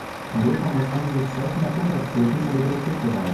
Europa muss angesichts solcher Naturkatastrophen Solidarität beweisen.